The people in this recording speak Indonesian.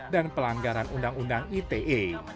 dan pelanggaran undang undang ite